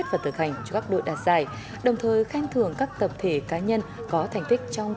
vẫn phấp với những chiếc khăn thắm hồng